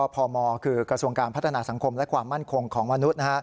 พมคือกระทรวงการพัฒนาสังคมและความมั่นคงของมนุษย์